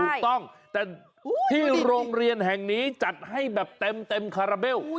ถูกต้องแต่ที่โรงเรียนแห่งนี้จัดให้แบบเต็มคาราเบล